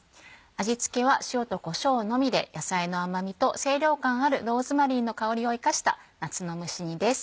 味付けは塩とこしょうのみで野菜の甘みと清涼感あるローズマリーの香りを生かした夏の蒸し煮です。